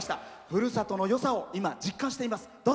ふるさとのよさを今実感しています。